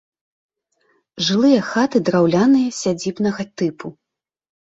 Жылыя хаты драўляныя сядзібнага тыпу.